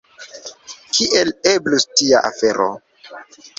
Kiel eblus tia afero?